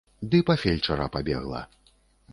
Ды па фельчара пабегла.